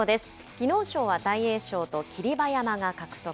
技能賞は大栄翔と霧馬山が獲得。